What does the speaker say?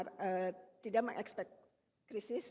bukan tidak menyesuaikan krisis